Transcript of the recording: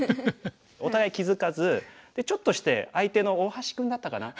お互い気付かずでちょっとして相手の大橋君だったかな。